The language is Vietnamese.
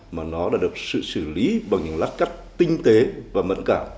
mà nó đã được sự xử lý bằng những lát cắt tinh tế và mẫn cảm